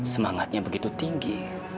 semangatnya begitu tinggi